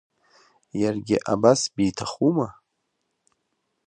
Иаргьы абас биҭахума?